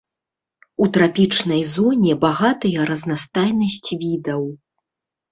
У трапічнай зоне багатая разнастайнасць відаў.